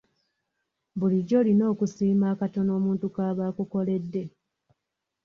Bulijjo olina okusiima akatono omuntu kaaba akukoledde.